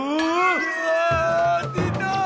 うわ出た！